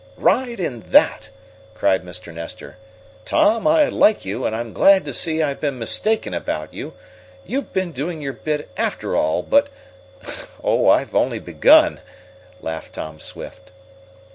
"Ride in that!" cried Mr. Nestor. "Tom, I like you, and I'm glad to see I've been mistaken about you. You have been doing your bit, after all; but " "Oh, I've only begun!" laughed Tom Swift.